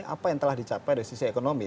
apa yang telah dicapai dari sisi ekonomi